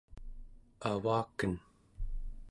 avaken